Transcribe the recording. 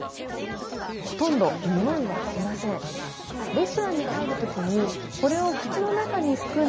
ほとんどにおいはしません。